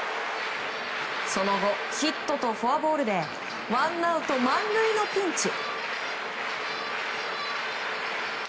その後、ヒットとフォアボールでワンアウト満塁のピンチ。